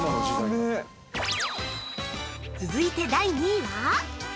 ◆続いて第２位は。